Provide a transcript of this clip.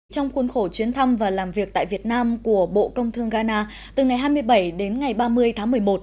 trong khuôn khổ chuyến thăm và làm việc tại việt nam của bộ công thương ghana từ ngày hai mươi bảy đến ngày ba mươi tháng một mươi một